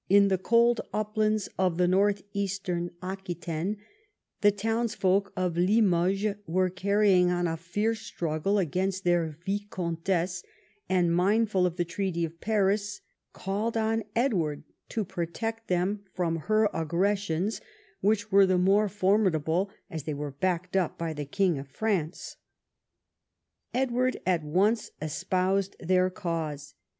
In the cold uplands of the north eastern Aquitaine, the townsfolk of Limoges were carrying on a fierce struggle against their viscountess, and, mindful of the Treaty of Paris, called on Edward to protect them from her aggressions, which were the more formidable as they were backed up by the King of France. Edward at once espoused their cause.